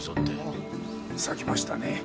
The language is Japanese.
おお咲きましたね。